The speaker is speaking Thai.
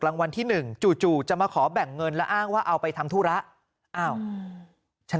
รางวัลที่๑จู่จะมาขอแบ่งเงินและอ้างว่าเอาไปทำธุระอ้าวฉัน